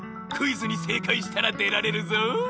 クイズにせいかいしたらでられるぞ！